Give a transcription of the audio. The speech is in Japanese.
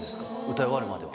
歌い終わるまでは。